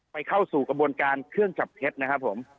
เข้าสู่กระบวนการเครื่องจับเท็จนะครับผม